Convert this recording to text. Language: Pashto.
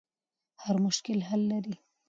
هر مشکل حل لري.